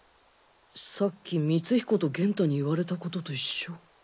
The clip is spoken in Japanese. さっき光彦と元太に言われたことと一緒。